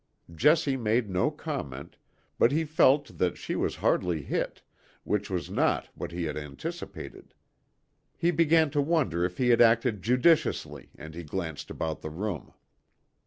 Jessie made no comment, but he felt that she was hardly hit, which was not what he had anticipated. He began to wonder if he had acted judiciously and he glanced about the room.